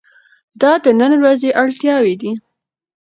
دا د نن ورځې اړتیاوې دي.